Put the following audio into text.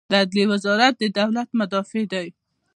د عدلیې وزارت د دولت مدافع دی